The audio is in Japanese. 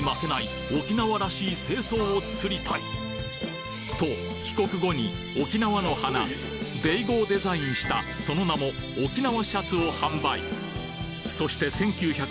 沖縄でもと帰国後に沖縄の花デイゴをデザインしたその名もおきなわシャツを販売！